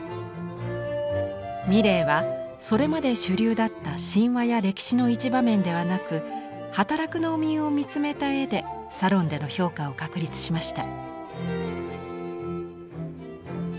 ミレーはそれまで主流だった神話や歴史の一場面ではなく働く農民を見つめた絵でサロンでの評価を確立しました。